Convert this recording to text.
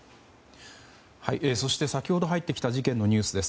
そして先ほど入ってきた事件のニュースです。